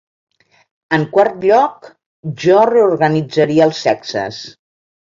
En quart lloc, jo reorganitzaria els sexes.